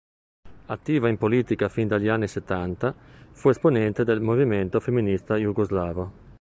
Attiva in politica fin dagli anni settanta, fu esponente del movimento femminista jugoslavo.